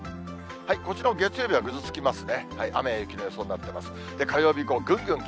こちらも月曜日はぐずつきますね。